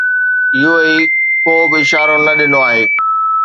UAE ڪوبه اشارو نه ڏنو آهي.